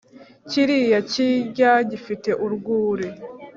kiriya kirwa gifite urwuri